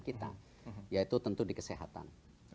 kita yaitu tentu di kesehatan